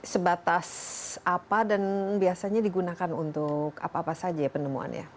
sebatas apa dan biasanya digunakan untuk apa apa saja ya penemuan ya